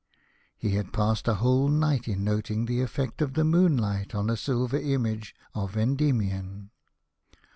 He had passed a whole night in noting the effect of the moon light on a silver image of Endymion.